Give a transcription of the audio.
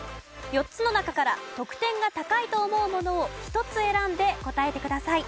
４つの中から得点が高いと思うものを１つ選んで答えてください。